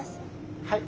はい。